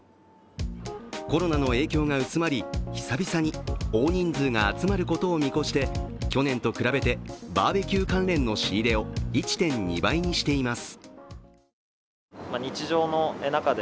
コロナの影響が薄まり、久々に大人数が集まることを見越して、去年と比べてバーベキュー関連の仕入れを１．２倍にしています。